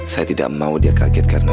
saya tidak mau dia kaget karena